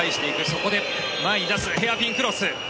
そこで前に出すヘアピンクロス。